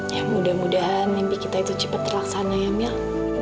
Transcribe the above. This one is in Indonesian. ya mudah mudahan mimpi kita itu cepat terlaksana ya mil